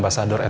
gak ada patung